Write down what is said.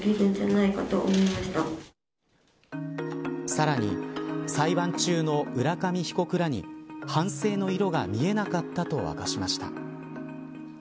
さらに、裁判中の浦上被告らに反省の色が見えなかったと明かしました。